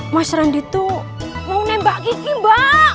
mas randy tuh mau nembak kiki mbak